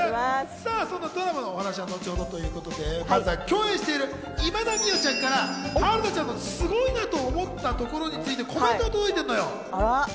そんなドラマのお話は後ほどということで、まずは共演している今田美桜ちゃんから春菜ちゃんのすごいなと思ったところについてコメントが届いているのよ。